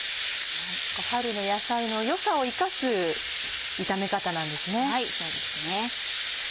春の野菜の良さを生かす炒め方なんですね。